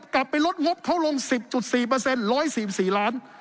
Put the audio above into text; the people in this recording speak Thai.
กลับไปลดงบเขาลง๑๐๔๑๔๔ล้าน